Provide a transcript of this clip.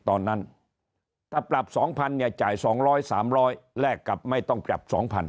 ตอนนั้นถ้าปรับ๒๐๐เนี่ยจ่าย๒๐๐๓๐๐แลกกับไม่ต้องปรับ๒๐๐